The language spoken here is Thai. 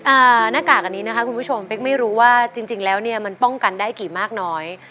หน้ากากอันนี้นะคะคุณผู้ชมเป๊กไม่รู้ว่าจริงจริงแล้วเนี่ยมันป้องกันได้กี่มากน้อย